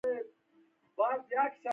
د صادراتو لوړه کچه تقاضا زیاتوي.